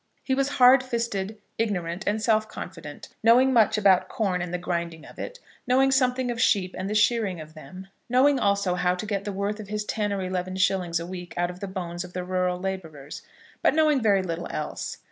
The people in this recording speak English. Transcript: He was hard fisted, ignorant, and self confident, knowing much about corn and the grinding of it, knowing something of sheep and the shearing of them, knowing also how to get the worth of his ten or eleven shillings a week out of the bones of the rural labourers; but knowing very little else.